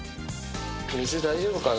水、大丈夫かな？